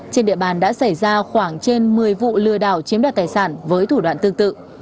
trên địa bàn đã xảy ra khoảng trên một mươi vụ lừa đảo chiếm đoạt tài sản với thủ đoạn tương tự